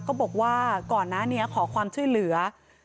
ก็บอกว่าก่อนหน้านี้ขอความช่วยเหลือ